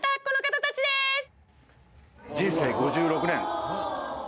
この方たちです！